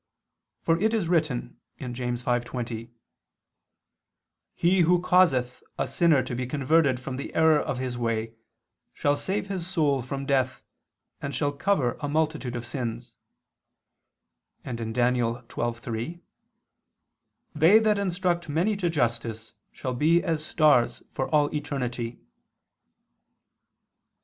For it is written (James 5:20): "He who causeth a sinner to be converted from the error of his way, shall save his soul from death, and shall cover a multitude of sins"; and (Dan. 12:3): "They that instruct many to justice shall be as stars for all eternity."